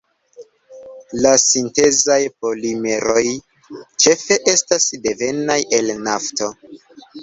La sintezaj polimeroj ĉefe estas devenaj el nafto.